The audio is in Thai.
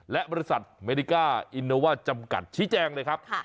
และบริษัทเมริกาอินเนอร์ว่าจำกัดชี้แจงเลยครับ